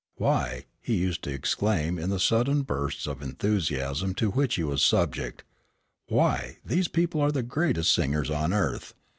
"Why," he used to exclaim in the sudden bursts of enthusiasm to which he was subject, "why, these people are the greatest singers on earth.